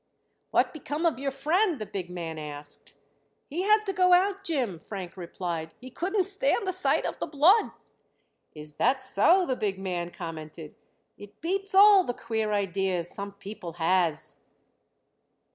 "What become of yer friend?" the big man asked. "He had to go out, Jim," Frank replied. "He couldn't stand the sight of the blood." "Is that so?" the big man commented. "It beats all, the queer ideas some people has."